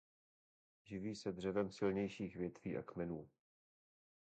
Živí se dřevem silnějších větví a kmenů.